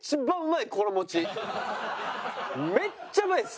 めっちゃうまいです！